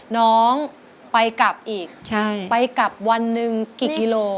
น้องไปกลับอีกไปกลับวันหนึ่งกี่กิโล